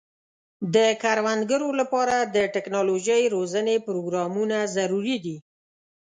د کروندګرو لپاره د ټکنالوژۍ روزنې پروګرامونه ضروري دي.